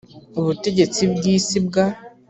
ubutegetsi bw isi bwa